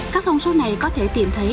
các thông số này có thể tìm thấy